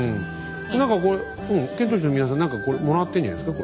何かこれ遣唐使の皆さん何かこれもらってるんじゃないですか？